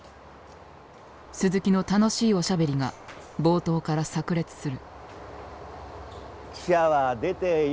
鈴木の楽しいおしゃべりが冒頭からさく裂する。